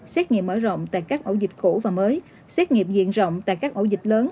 xét nghiệm mở rộng tại các ổ dịch cũ và mới xét nghiệm diện rộng tại các ổ dịch lớn